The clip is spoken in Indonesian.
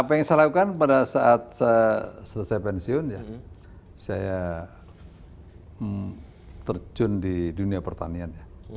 apa yang saya lakukan pada saat saya selesai pensiun ya saya terjun di dunia pertanian ya